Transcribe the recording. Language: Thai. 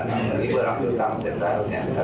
นักภักดิ์การรำนาบตั้งเสร็จแล้วเนี่ยนะครับ